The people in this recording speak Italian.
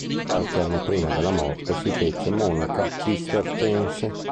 Qualche anno prima della morte si fece monaca cistercense.